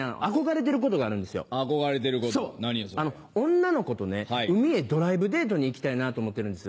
女の子とね海へドライブデートに行きたいなと思ってるんです。